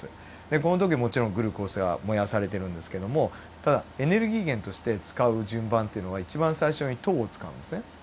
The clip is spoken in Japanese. でこの時もちろんグルコースが燃やされてるんですけどもただエネルギー源として使う順番っていうのが一番最初に糖を使うんですね。